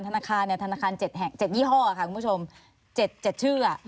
ธนาคารเนี่ยธนาคารเจ็ดแห่งเจ็ดยี่ห้ออะค่ะคุณผู้ชมเจ็ดเจ็ดชื่ออะ